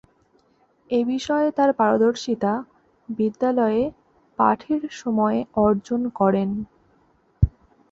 এ বিষয়ে তার পারদর্শিতা বিদ্যালয়ে পাঠের সময়ে অর্জন করেন।